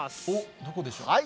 どこでしょう？